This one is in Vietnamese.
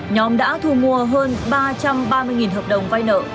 nhóm đã thu mua hơn ba trăm ba mươi hợp đồng vay nợ